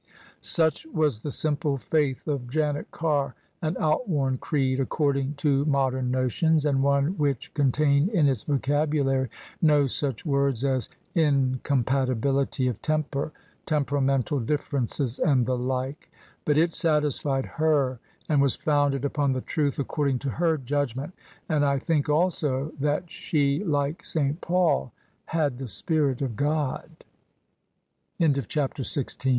Such was the simple faith of Janet Carr: an out worn creed, according to modem notions, and one which con tained in its vocabulary no such words as " incompatibility of temper," " temperamental differences," and the like. But it satisfied her, and was founded upon the truth, according to her judgment: and I think also that she, like S. Paul, had the Spirit of God.